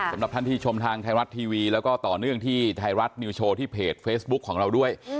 สำหรับท่านที่ชมทางไทยรัฐทีวีแล้วก็ต่อเนื่องที่ไทยรัฐนิวโชว์ที่เพจเฟซบุ๊คของเราด้วย